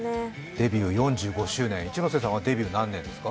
デビュー４５周年一ノ瀬さんはデビュー何年ですか？